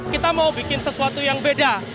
kita mau bikin sesuatu yang beda